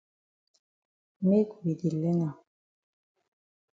Make we di learn am.